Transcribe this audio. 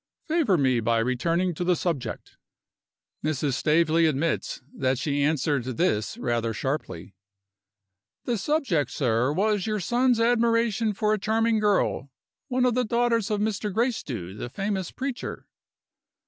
Favor me by returning to the subject." Mrs. Staveley admits that she answered this rather sharply: "The subject, sir, was your son's admiration for a charming girl: one of the daughters of Mr. Gracedieu, the famous preacher."